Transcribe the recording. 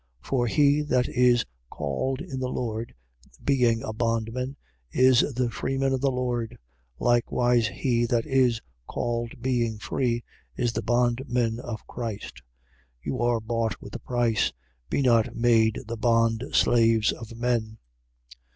7:22. For he that is called in the Lord, being a bondman, is the freeman of the Lord. Likewise he that is called, being free, is the bondman of Christ. 7:23. You are bought with a price: be not made the bondslaves of men.